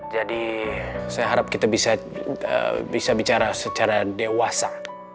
jadi saya harap kita bisa bicara secara dewasa